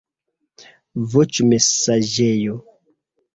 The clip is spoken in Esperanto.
voĉmesaĝejo